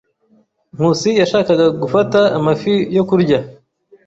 Nkusi yashakaga gufata amafi yo kurya.